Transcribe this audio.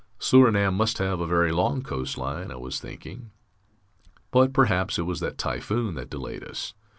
Surinam must have a very long coast line, I was thinking. But perhaps it was that typhoon that delayed us....